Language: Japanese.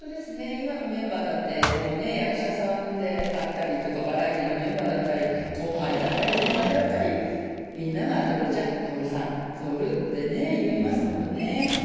今のメンバーだって、もうね、役者さんであったりとか、バラエティのメンバーだったり、後輩だったり、先輩だったり、みんなが徹ちゃん、徹さん、徹ってね、言いますものね。